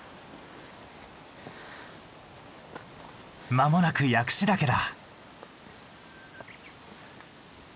間もなく薬師岳だ。